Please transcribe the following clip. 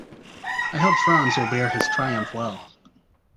I hope Franz will bear his triumph well.